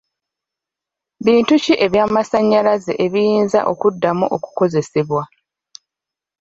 Bintu ki eby'amasannyalaze ebiyinza okuddamu okukozesebwa?